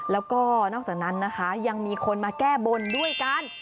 แล้วก็นอกจากนั้นนะคะยังมีคนมาแก้บนด้วยกัน